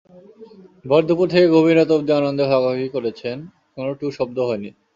ভরদুপুর থেকে গভীর রাত অবদি আনন্দ ভাগাভাগি করেছেন, কোনো টু-শব্দও হয়নি।